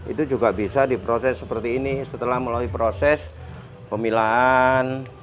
itu juga bisa diproses seperti ini setelah melalui proses pemilahan